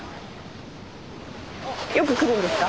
よく来るんですか？